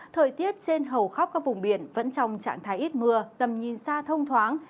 thời tiết trên hầu khắp các vùng biển vẫn trong trạng thái ít mưa tầm nhìn xa thông thoáng